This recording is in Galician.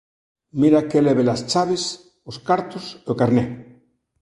Mira que léve-las chaves, os cartos e o carné.